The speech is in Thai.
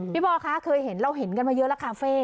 พ่อคะเคยเห็นเราเห็นกันมาเยอะแล้วคาเฟ่